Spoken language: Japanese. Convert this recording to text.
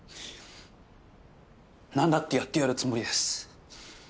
何だってやってやるつもりです。